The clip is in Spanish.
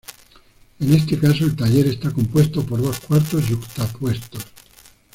En este caso, el taller está compuesto por dos cuartos yuxtapuestos.